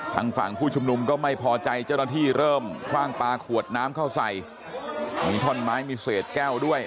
ทางฝั่งผู้ชุมนุมก็ไม่พอใจเจ้าหน้าที่เริ่มคว่างปลาขวดน้ำเข้าใส่มีท่อนไม้มีเศษแก้วด้วย